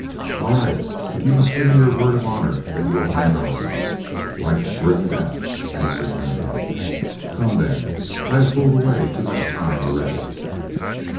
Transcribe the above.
"All right; but you must give me your word of honor that you will hang on." "Like grim death," answered Latham. "Come, then, I have fooled away too much time already."